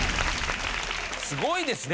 すごいですね！